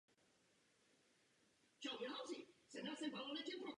Chodil do Lidové školy hudební na klavír a později přešel na Lidovou školu výtvarnou.